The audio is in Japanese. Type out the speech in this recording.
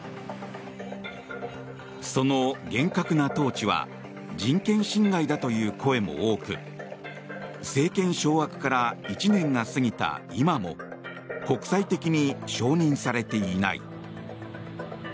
その厳格な統治は人権侵害だという声も多く政権掌握から１年が過ぎた今も国際的に承認されていない。